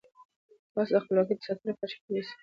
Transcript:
تاسو د خپلواکۍ د ساتلو لپاره چمتو اوسئ.